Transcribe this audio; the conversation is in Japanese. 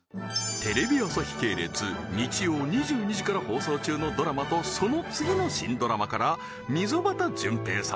テレビ朝日系列日曜２２時から放送中のドラマとその次の新ドラマから溝端淳平様